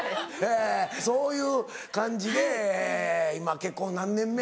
えそういう感じで今結婚何年目？